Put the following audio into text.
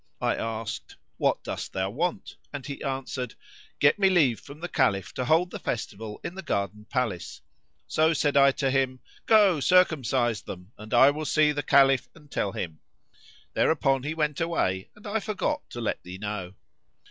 I asked, 'What dost thou want?'; and he answered, 'Get me leave from the Caliph to hold the festival in the Garden Palace.' So said I to him, 'Go circumcise them; and I will see the Caliph and tell him.' Thereupon he went away and I forgot to let thee know."